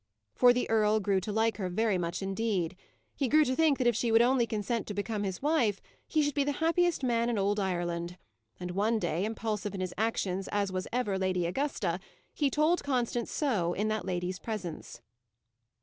For the earl grew to like her very much indeed. He grew to think that if she would only consent to become his wife, he should be the happiest man in ould Ireland; and one day, impulsive in his actions as was ever Lady Augusta, he told Constance so, in that lady's presence.